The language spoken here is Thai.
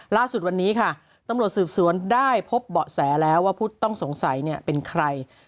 ล่าสุดวันนี้ค่ะตำรวจสืบสวนได้พบเบาะแสแล้วว่าผู้ต้องสงสัยเป็นใคร